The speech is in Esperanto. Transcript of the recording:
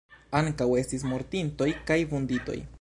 Ankaŭ estis mortintoj kaj vunditoj.